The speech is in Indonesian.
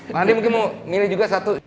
nadine mungkin mau milih juga satu